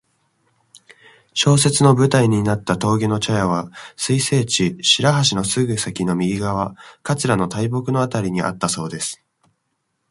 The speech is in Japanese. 小説の舞台になった峠の茶屋は水生地・白橋のすぐ先の右側、桂の大木のあたりにあったそうです。